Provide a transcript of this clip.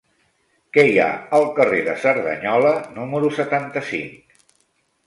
Què hi ha al carrer de Cerdanyola número setanta-cinc?